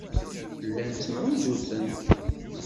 Llan ttemɛujjuten.